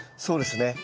そうですね。